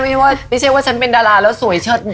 ไม่ใช่ว่าฉันเป็นดาราแล้วสวยเฉิด